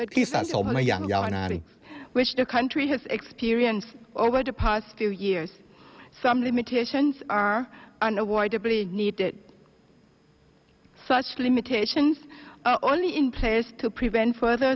สะสมมาอย่างยาวนาน